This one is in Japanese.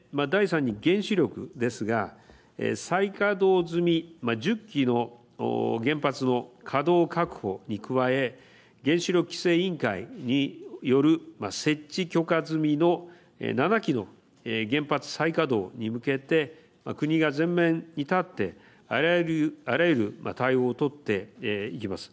そして第３に原子力ですが再稼働済み１０基の原発の稼働確保に加え原子力規制委員会による設置許可済みの７基の原発再稼働に向けて国が前面に立ってあらゆる対応を取っていきます。